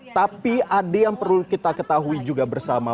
tapi ada yang perlu kita ketahui juga bersama